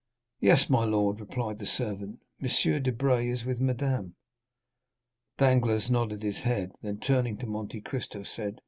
"Yes, my lord," replied the servant, "M. Debray is with madame." Danglars nodded his head; then, turning to Monte Cristo, said, "M.